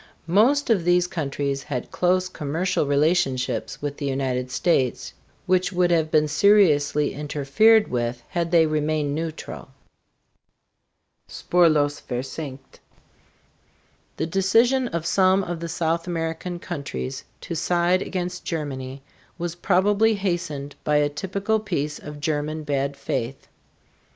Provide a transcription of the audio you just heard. Most of these countries had close commercial relationships with the United States, which would have been seriously interfered with had they remained neutral. SPURLOS VERSENKT. The decision of some of the South American countries to side against Germany was probably hastened by a typical piece of German bad faith.